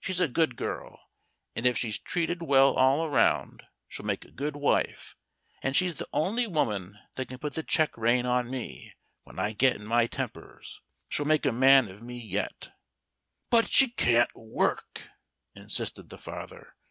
She's a good girl, and if she's treated well all round, she'll make a good wife, and she's the only woman that can put the check rein on me, when I get in my tempers. She'll make a man of me yet." "But she can't work," insisted the father.